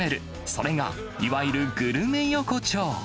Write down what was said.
それがいわゆるグルメ横丁。